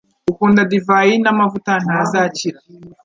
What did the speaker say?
ukunda divayi n’amavuta ntazakira